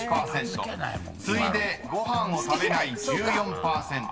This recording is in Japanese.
［次いでご飯を食べない１４％］好き嫌い。